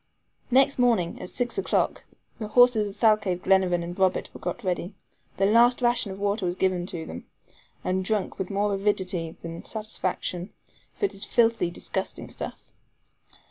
Next morning, at six o'clock, the horses of Thalcave, Glenarvan and Robert were got ready. Their last ration of water was given them, and drunk with more avidity than satisfaction, for it was filthy, disgusting stuff.